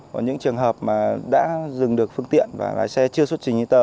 còn những trường hợp mà đã dừng được phương tiện và lái xe chưa xuất trình như tờ